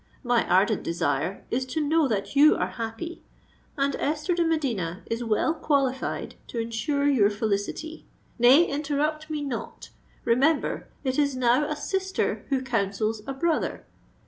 My ardent desire is to know that you are happy; and Esther de Medina is well qualified to ensure your felicity. Nay—interrupt me not: remember, it is now a sister who counsels a brother!